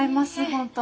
本当。